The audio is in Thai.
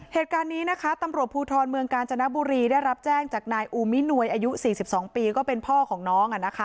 เหตุการณ์นี้นะคะตำรวจภูทรเมืองกาญจนบุรีได้รับแจ้งจากนายอูมินวยอายุ๔๒ปีก็เป็นพ่อของน้อง